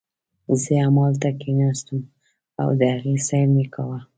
زه همالته کښېناستم او د هغې سیل مې کاوه.